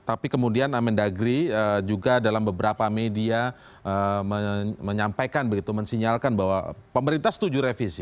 tapi kemudian amendagri juga dalam beberapa media menyampaikan begitu mensinyalkan bahwa pemerintah setuju revisi